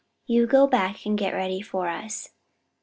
You go back and get ready for us.